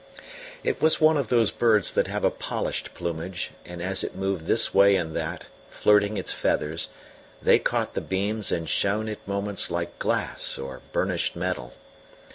It was one of those birds that have a polished plumage, and as it moved this way and that, flirting its feathers, they caught the beams and shone at moments like glass or burnished metal.